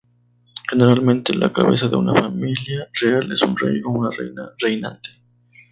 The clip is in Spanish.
Generalmente, la cabeza de una familia real es un rey o una reina reinante.